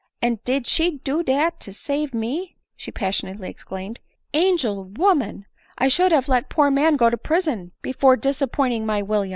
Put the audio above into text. " And did she do dat to save me ?" she passionately exclaimed ;" Angel woman ! I should have let poor man go to prison, before disappoint my William